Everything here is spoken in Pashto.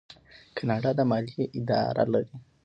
کاناډا د مالیې اداره لري.